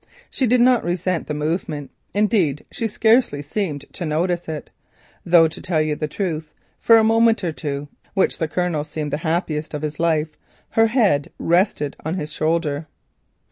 She did not resent the movement, indeed she scarcely seemed to notice it, though to tell the truth, for a moment or two, which to the Colonel seemed the happiest of his life, her head rested on his shoulder.